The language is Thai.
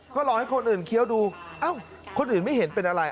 ก็รอให้คนอื่นเคี้ยวดูเอ้าคนอื่นไม่เห็นเป็นอะไร